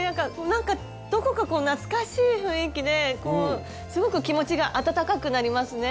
なんかどこか懐かしい雰囲気ですごく気持ちが温かくなりますね。